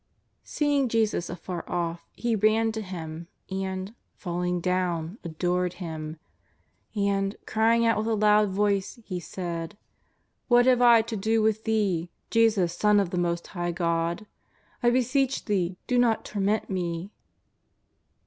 Seeing Jesus afar off, he ran to Him, and, falling down, adored Him. And, crying out with a loud voice, he said: " What have I to do with Thee, Jesus Son of the most High God? I beseech Thee do not torment me.''